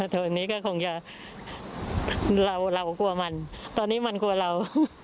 แถวนี้ก็คงจะเรากลัวมันตอนนี้มันกลัวเรา